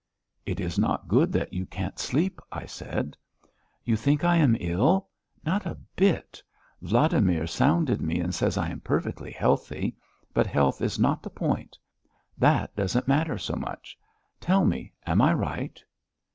"It is not good that you can't sleep," I said. "You think I am ill? Not a bit. Vladimir sounded me and says I am perfectly healthy. But health is not the point. That doesn't matter so much.... Tell me, am I right?"